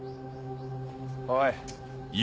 おい。